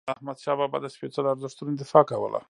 احمدشاه بابا د سپيڅلو ارزښتونو دفاع کوله.